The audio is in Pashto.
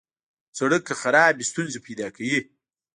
سړک که خراب وي، ستونزې پیدا کوي.